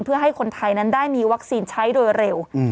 เพื่อให้คนไทยนั้นได้มีวัคซีนใช้โดยเร็ว